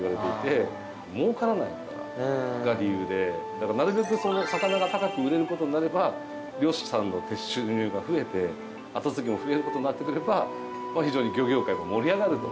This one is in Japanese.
だからなるべく魚が高く売れることになれば漁師さんの収入が増えて後継ぎも増えることになってくれば非常に漁業界が盛り上がると。